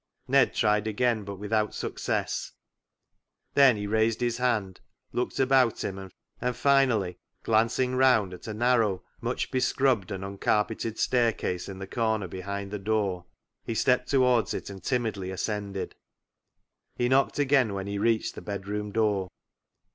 Ned tried again, but without success. Then he raised his head, looked about him, and finally glancing round at a narrow, much bescrubbed and uncarpeted staircase in the corner behind the door, he stepped towards it and timidly ascended. He knocked again when he reached the bedroom door.